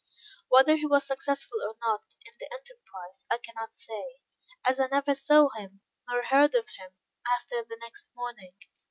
Whether he was successful or not in the enterprise, I cannot say, as I never saw him nor heard of him after the next morning.